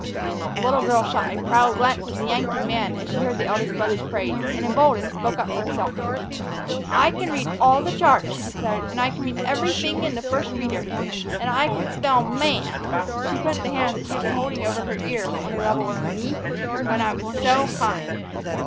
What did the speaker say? The little girl shot a proud glance at the Yankton man as she heard the eldest brother's praise, and, emboldened, spoke up for herself. "I can read all the chart," she declared, "and I can read everyfing in the First Reader. And I could spell 'man'" she put the hand that she had been holding over her ear on a level with her knee "when I was so high."